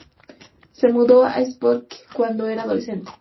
Se mudó a Spokane cuando era adolescente.